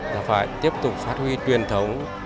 là phải tiếp tục phát huy truyền thống